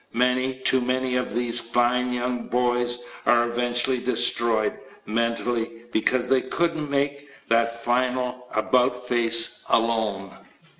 Many, too many, of these fine young boys are eventually destroyed, mentally, because they could not make that final "about face" alone.